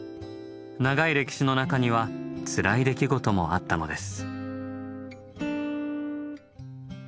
長い歴史の中にはつらい出来事もあったのです。